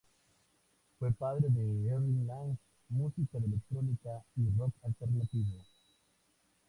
Fue padre de Erin Lang, música de electrónica y rock alternativo.